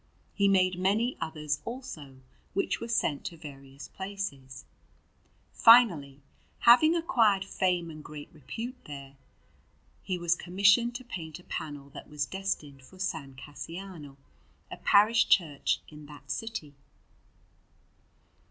He made many others, also, which were sent to various places. Finally, having acquired fame and great repute there, he was commissioned to paint a panel that was destined for S. Cassiano, a parish church in that city.